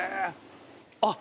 あっ！